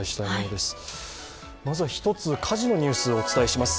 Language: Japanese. まずは１つ、火事のニュースをお伝えします。